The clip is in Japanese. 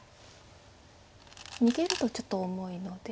逃げるとちょっと重いので。